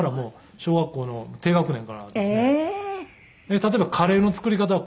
例えばカレーの作り方はこうだって。